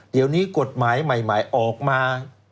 เดี๋ยวนี้กฎหมายใหม่ออกมา